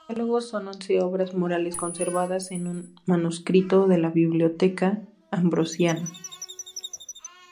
Los diálogos son once obras morales conservadas en un manuscrito de la Biblioteca Ambrosiana.